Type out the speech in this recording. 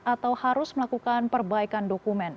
atau harus melakukan perbaikan dokumen